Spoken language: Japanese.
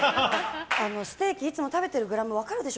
ステーキ、いつも食べてるグラム分かるでしょ？